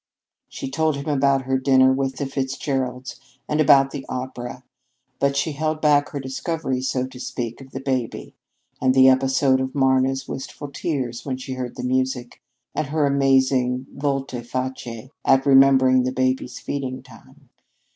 She told him about her dinner with the Fitzgeralds and about the opera, but she held back her discovery, so to speak, of the baby, and the episode of Marna's wistful tears when she heard the music, and her amazing volte face at remembering the baby's feeding time.